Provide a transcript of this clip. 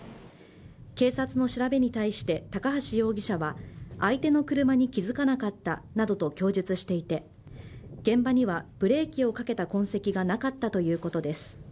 警察の調べに対して高橋容疑者は相手の車に気づかなかったなどと供述していて現場にはブレーキをかけた痕跡がなかったということです。